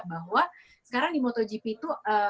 bahwa sekarang di motogp itu